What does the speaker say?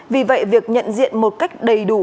vì vậy việc nhận diện một cách đầy đủ